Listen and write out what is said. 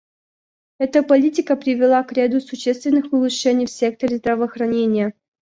Эта политика привела к ряду существенных улучшений в секторе здравоохранения.